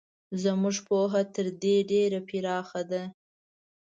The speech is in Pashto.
زموږ پوهه تر دې ډېره پراخه ده.